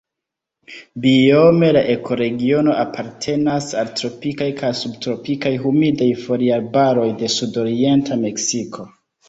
Biome la ekoregiono apartenas al tropikaj kaj subtropikaj humidaj foliarbaroj de sudorienta Meksiko.